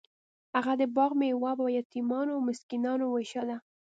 هغه د باغ میوه په یتیمانو او مسکینانو ویشله.